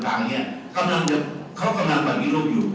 ตรงนี้ตารักษ์ตามเนี่ยเค้ากำลังแบบกืนรูปอยู่